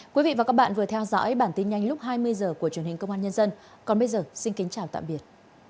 quý vị và các bạn vừa theo dõi bản tin nhanh lúc hai mươi h của truyền hình công an nhân dân còn bây giờ xin kính chào tạm biệt